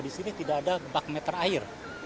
di sini tidak ada bak meter air